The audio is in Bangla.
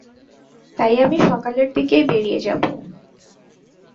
তাই আমি সকালের দিকেই বেড়িয়ে যাবো।